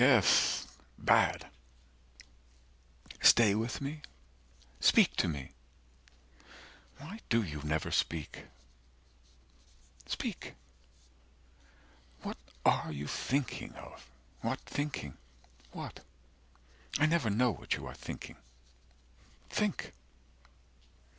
Yes, bad. Stay with me. Speak to me. Why do you never speak? Speak. What are you thinking of? What thinking? What? I never know what you are thinking. Think."